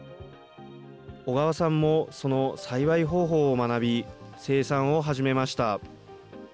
小川さんもその栽培方法を学び、生産を始めました。